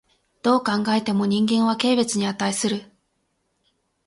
どう考えても人間は軽蔑に価する。